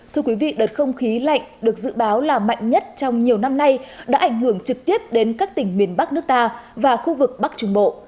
thưa quý vị đợt không khí lạnh được dự báo là mạnh nhất trong nhiều năm nay đã ảnh hưởng trực tiếp đến các tỉnh miền bắc nước ta và khu vực bắc trung bộ